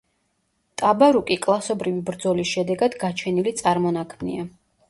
ტაბარუკი კლასობრივი ბრძოლის შედეგად გაჩენილი წარმონაქმნია.